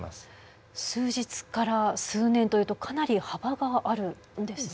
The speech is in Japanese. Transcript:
数日から数年というとかなり幅があるんですね。